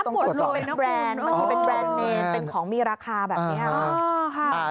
ก็ต้องกดสอบมันคือเป็นแบรนด์เมนเป็นของมีราคาแบบนี้